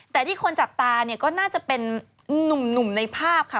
แต่ที่คนจับตาเนี่ยก็น่าจะเป็นนุ่มในภาพค่ะ